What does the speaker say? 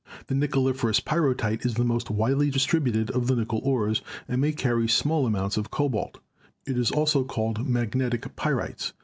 The nickeliferous Pyrrhotite is the most widely distributed of the nickel ores, and may carry small 286 GEOLOGY amounts of cobalt. It is also called Magnetic Pyrites.